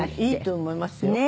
いいと思いますよ。